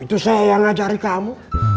itu saya yang ngajari kamu